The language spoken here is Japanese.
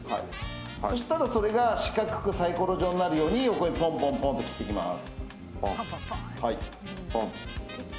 そしたらそれが四角くサイコロ状になるようにポンポンと切っていきます。